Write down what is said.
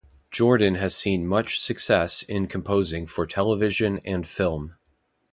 Jordan has seen much success in composing for television and film.